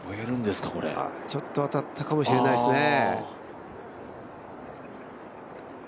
ちょっと当たったかもしれないですね。